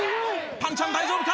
ぱんちゃん大丈夫か？